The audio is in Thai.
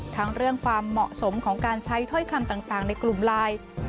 ทั้งเรื่องความเหมาะสมของการใช้ถ้อยคำต่างในกลุ่มไลน์